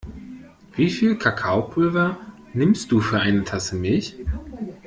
Wie viel Kakaopulver nimmst du für eine Tasse Milch?